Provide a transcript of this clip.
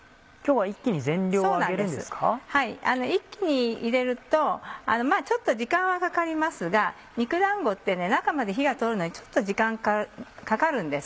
はい一気に入れるとちょっと時間はかかりますが肉だんごって中まで火が通るのにちょっと時間がかかるんです。